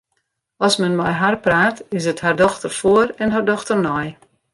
As men mei har praat, is it har dochter foar en har dochter nei.